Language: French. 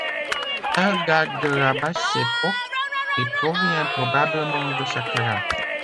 Elle date de la Basse Époque et provient probablement de Saqqara.